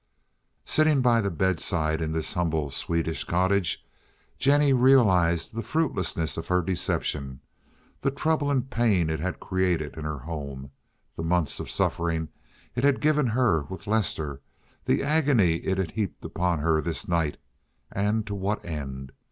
Sitting by the bedside in this humble Swedish cottage, Jennie realized the fruitlessness of her deception, the trouble and pain it had created in her home, the months of suffering it had given her with Lester, the agony it had heaped upon her this night—and to what end?